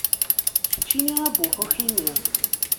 Keččini a Buḥu Ḥimi.